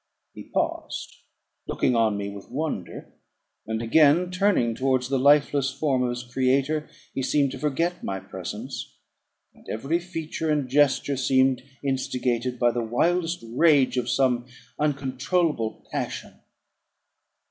He paused, looking on me with wonder; and, again turning towards the lifeless form of his creator, he seemed to forget my presence, and every feature and gesture seemed instigated by the wildest rage of some uncontrollable passion.